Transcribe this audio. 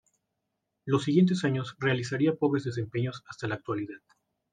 Los siguientes años realizaría pobres desempeños hasta la actualidad.